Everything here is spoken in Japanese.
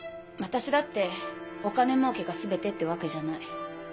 私だってお金もうけが全てってわけじゃない。